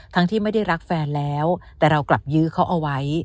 ที่ไม่ได้รักแฟนแล้วแต่เรากลับยื้อเขาเอาไว้